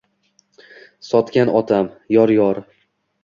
Sotgan otam, yor-yor.